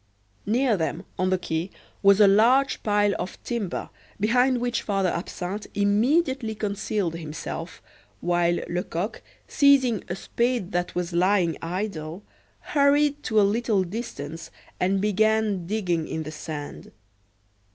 Near them, on the quay, was a large pile of timber, behind which Father Absinthe immediately concealed himself, while Lecoq, seizing a spade that was lying idle, hurried to a little distance and began digging in the sand.